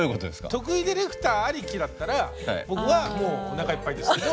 徳井ディレクターありきだったら僕はもうおなかいっぱいですけど。